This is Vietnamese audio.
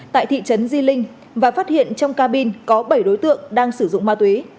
tại thị trấn di linh và phát hiện trong cabin có bảy đối tượng đang sử dụng ma túy